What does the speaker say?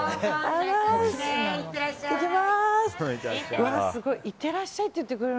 いってきます！